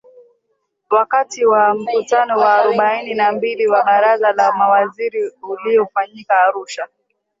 Wakati wa mkutano wa arobaini na mbili wa Baraza la Mawaziri uliofanyika Arusha